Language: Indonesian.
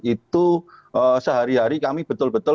itu sehari hari kami betul betul